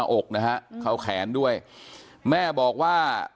แม่โชคดีนะไม่ถึงตายนะ